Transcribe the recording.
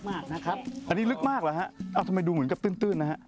อันนี้ลึกมากเหรอฮะเอาทำไมดูเหมือนกับตื้นนะฮะ